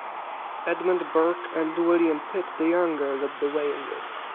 Edmund Burke and William Pitt the Younger led the way in this.